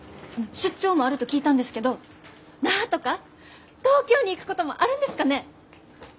出張もあると聞いたんですけど那覇とか東京に行くこともあるんですかね？